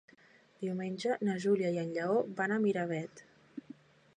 Diumenge na Júlia i en Lleó van a Miravet.